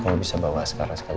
kalau bisa bawa asghar asghar dulu